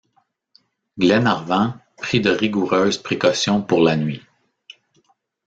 Glenarvan prit de rigoureuses précautions pour la nuit.